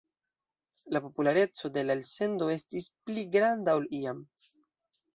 La populareco de la elsendo estis pli granda ol iam.